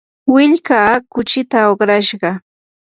willkaa kuchinta uqrashqa.